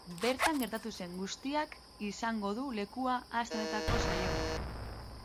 Bertan gertatu zen guztiak izango du lekua aste honetako saioan.